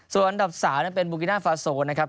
ส่วนอันดับ๓เป็นบูกิน่าฟาโซนะครับ